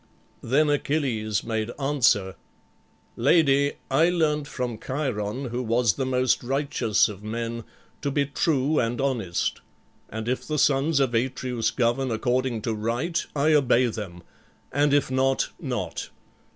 Then Achilles made answer, "Lady, I learnt from Chiron, who was the most righteous of men, to be true and honest. And if the sons of Atreus govern according to right, I obey them; and if not, not.